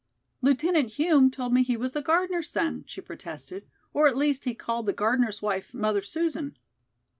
"Lieutenant Hume told me he was the gardener's son," she protested, "or at least he called the gardener's wife 'Mother Susan.'"